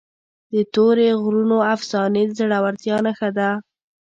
د تورې غرونو افسانې د زړورتیا نښه ده.